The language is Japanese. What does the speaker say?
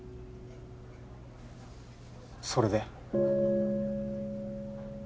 それで？